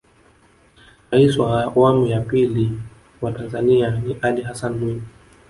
rais wa awamu ya pili wa tanzania ni alli hassan mwinyi